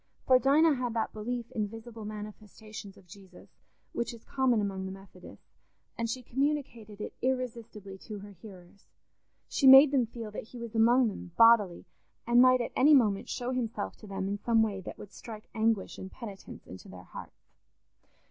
For Dinah had that belief in visible manifestations of Jesus, which is common among the Methodists, and she communicated it irresistibly to her hearers: she made them feel that he was among them bodily, and might at any moment show himself to them in some way that would strike anguish and penitence into their hearts.